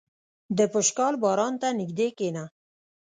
• د پشکال باران ته نږدې کښېنه.